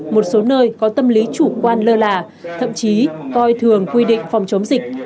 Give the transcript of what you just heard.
một số nơi có tâm lý chủ quan lơ là thậm chí coi thường quy định phòng chống dịch